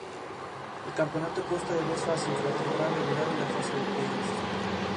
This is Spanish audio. El campeonato consta de dos fases: la temporada regular y la fase de play-offs.